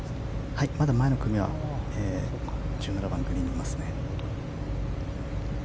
まだ前の組は１７番のグリーンにいますね。